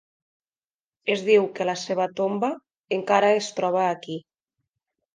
Es diu que la seva tomba encara es troba aquí.